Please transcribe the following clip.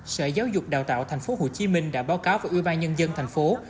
sở giáo dục đào tạo tp hcm đã báo cáo với ủy ban nhân dân tp hcm